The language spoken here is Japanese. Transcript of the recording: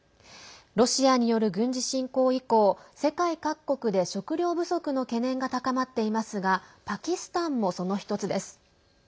ロシアによる軍事侵攻以降世界各国で食糧不足の懸念が高まっていますがパキスタンも、その１つです。